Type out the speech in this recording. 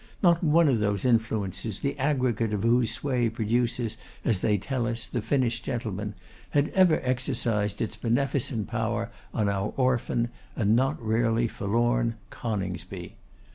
Not one of those influences, the aggregate of whose sway produces, as they tell us, the finished gentleman, had ever exercised its beneficent power on our orphan, and not rarely forlorn, Coningsby.